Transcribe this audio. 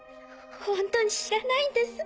本当に知らないんです。